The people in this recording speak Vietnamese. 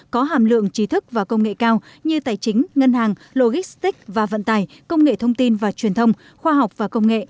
có hàm lượng trí thức và công nghệ cao như tài chính ngân hàng logistic và vận tài công nghệ thông tin và truyền thông khoa học và công nghệ